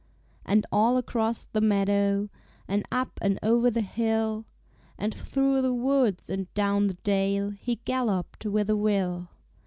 And all across the meadow, And up and o'er the hill, And through the woods and down the dale He galloped with a will.